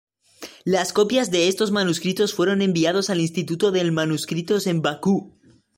Las copias de estos manuscritos fueron enviados al Instituto del Manuscritos en Bakú.